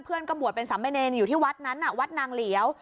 เพื่อนกระบวดเป็นสำเนินอยู่ที่วัดนั้นน่ะวัดนางเหลียว